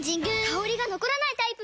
香りが残らないタイプも！